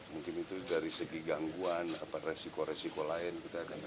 mungkin itu dari segi gangguan apa resiko resiko lain kita akan evaluasi